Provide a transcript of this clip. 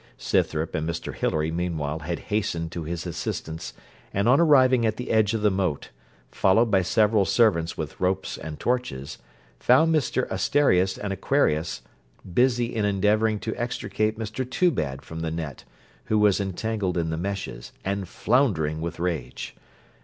Scythrop and Mr Hilary meanwhile had hastened to his assistance, and, on arriving at the edge of the moat, followed by several servants with ropes and torches, found Mr Asterias and Aquarius busy in endeavouring to extricate Mr Toobad from the net, who was entangled in the meshes, and floundering with rage.